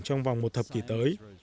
trong vòng một thập kỷ tới